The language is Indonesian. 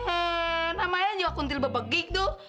eh namanya juga kuntil bebegik tuh